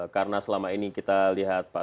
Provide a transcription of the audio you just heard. karena selama ini kita lihat pak